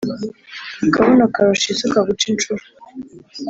Akabuno karusha isuka guca inshuro.